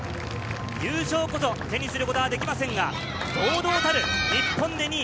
優勝こそ手にすることはできませんが、堂々たる日本で２位。